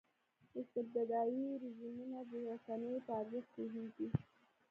استبدادي رژیمونه د رسنیو په ارزښت پوهېږي.